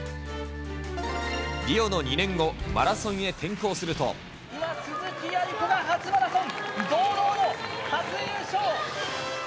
リオの２年後、マラソンへ転向す今、鈴木亜由子が初マラソン、堂々の初優勝！